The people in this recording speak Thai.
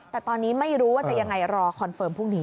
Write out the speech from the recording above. แต่ตอนนี้ไม่รู้ว่าจะยังไงรอคอนเฟิร์มพรุ่งนี้